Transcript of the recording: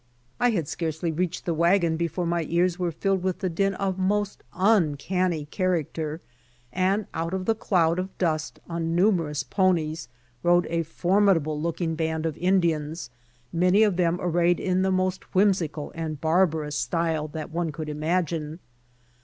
I had scarcely reached the wagon before my ears were filled with the din of most uncanny character, and out of the cloud of dust on numerous ponies rode a formidable looking 36 BY ox TEAM TO CALIFORNIA band of Indians, many of them arrayed in the most whimsical and barbarous style that one could imagine.